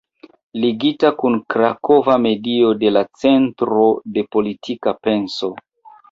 Ligita kun krakova medio de la Centro de Politika Penso.